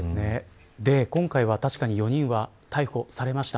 今回は４人が逮捕されました。